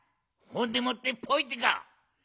ほんでもってぽいってか。